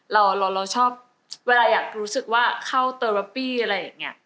เราเราชอบเวลาอยากรู้สึกว่าเข้าเตอร์แรปปี้อะไรอย่างนี้